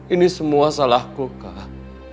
ini semua salahku kak